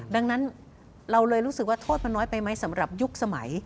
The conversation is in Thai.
ดังนั้นเราเลยรู้สึกว่าโทษมันน้อยไปไหมสำหรับยุคสมัย